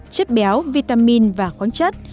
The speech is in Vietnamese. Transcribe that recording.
chất béo vitamin và khoáng chất